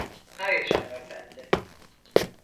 Hayır hanımefendi.